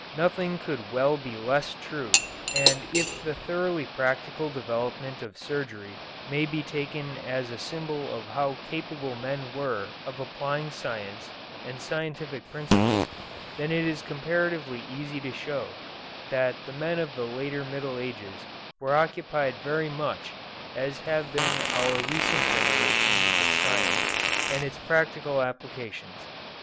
Nothing could well be less true, and if the thoroughly practical development of surgery may be taken as a symbol of how capable men were of applying science and scientific principles, then it is comparatively easy to show that the men of the later Middle Ages were occupied very much as have been our recent generations with science and its practical applications.